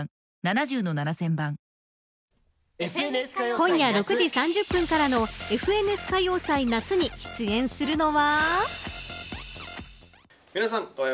今夜６時３０分からのＦＮＳ歌謡祭夏に出演するのは。